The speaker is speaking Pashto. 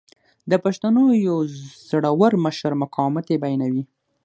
د پښتنو یو زړه ور مشر مقاومت یې بیانوي.